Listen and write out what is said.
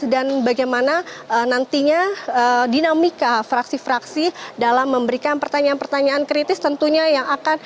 dan bagaimana nantinya dinamika fraksi fraksi dalam memberikan pertanyaan pertanyaan kritis tentunya